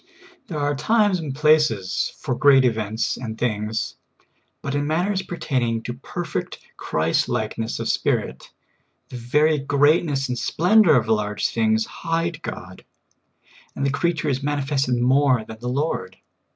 There are times and places for great events and things, but in matters pertaining to perfect Christ like ness of Spirit, the very greatness and splendor of large things hide God, and the creature is manifested more than the I^ord.